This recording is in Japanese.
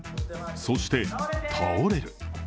そして、倒れる。